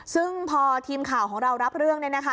ซึ่งพอทีมข่าวของเรารับเรื่องเนี่ยนะคะ